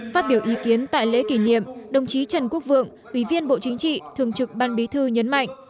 phát biểu ý kiến tại lễ kỷ niệm đồng chí trần quốc vượng ủy viên bộ chính trị thường trực ban bí thư nhấn mạnh